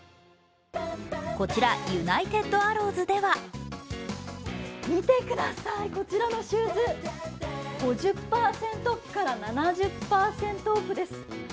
こちらユナイテッドアローズでは見てください、こちらのシューズ、５０％オフから７０％オフです。